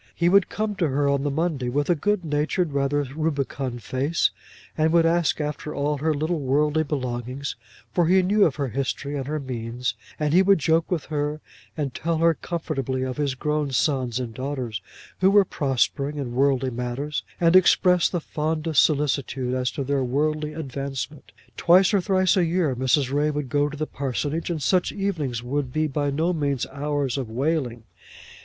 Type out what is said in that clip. He would come to her on the Monday with a good natured, rather rubicund face, and would ask after all her little worldly belongings, for he knew of her history and her means, and he would joke with her, and tell her comfortably of his grown sons and daughters, who were prospering in worldly matters, and express the fondest solicitude as to their worldly advancement. Twice or thrice a year Mrs. Ray would go to the parsonage, and such evenings would be by no means hours of wailing.